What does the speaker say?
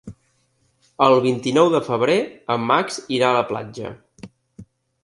El vint-i-nou de febrer en Max irà a la platja.